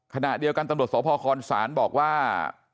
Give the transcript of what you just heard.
ขณะเดียวกันตำรวจสพคศบอกว่า